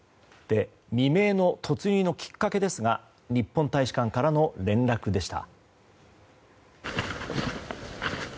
未明の突入のきっかけですが日本大使館からの連絡でした。